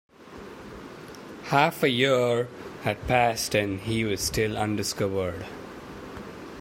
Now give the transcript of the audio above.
Half a year had passed, and he was still undiscovered.